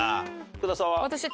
福田さんは？